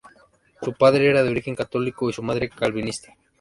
Su padre era de origen católico y su madre calvinista.